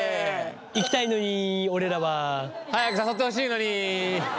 行きたいのに俺らは。早く誘ってほしいのに。